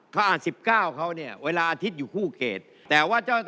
คนนี้ไม่ธรรมดา